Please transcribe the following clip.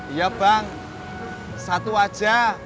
iya bang satu aja